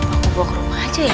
aku bawa ke rumah aja ya